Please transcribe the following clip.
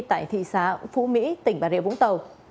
tại thị xã phú mỹ tỉnh bà rịa vũng tàu